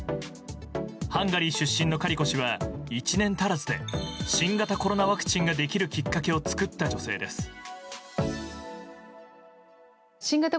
ハンガリー出身のカリコ氏は１年足らずで新型コロナワクチンができるきっかけを作った女性です。